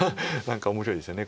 面白いですよね。